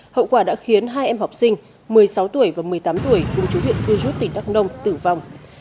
hậu quả đã khiến hai em học sinh một mươi sáu tuổi và một mươi tám tuổi cùng chú huyện cư rút tỉnh đắk nông tử vong